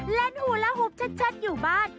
เล่นฮูลาฮุบเฉดอยู่บ้าน